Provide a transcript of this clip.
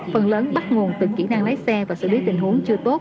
phần lớn bắt nguồn từ kỹ năng lái xe và xử lý tình huống chưa tốt